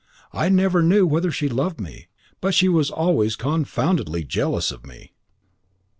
I never knew whether she loved me, but she was always confoundedly jealous of me."